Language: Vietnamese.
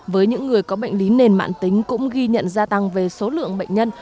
với những người có bệnh lý nền mạng tính cũng ghi nhận gia tăng về số lượng bệnh nhân